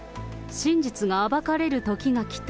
真実が暴かれるときが来た。